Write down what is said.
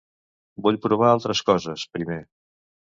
Vull provar altres coses, primer.